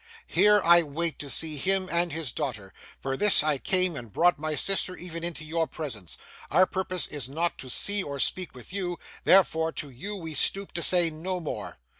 Here I wait to see him and his daughter. For this I came and brought my sister even into your presence. Our purpose is not to see or speak with you; therefore to you we stoop to say no more.